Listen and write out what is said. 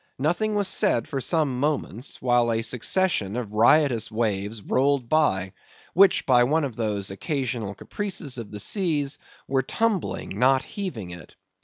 Nothing was said for some moments, while a succession of riotous waves rolled by, which by one of those occasional caprices of the seas were tumbling, not heaving it.